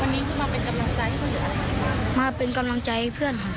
วันนี้คุณมาเป็นกำลังใจเพื่อนหรือยัง